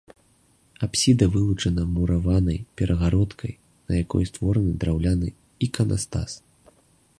Апсіда вылучана мураванай перагародкай, на якой створаны драўляны іканастас.